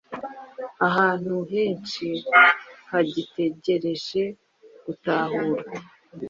ahantu henshi hagitegereje gutahurwa